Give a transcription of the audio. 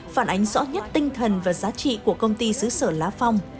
phản ánh rõ nhất tinh thần và giá trị của công ty xứ sở lá phong